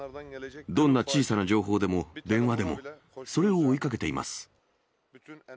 どんな小さな情報でも、電話でも、それを追いかけています。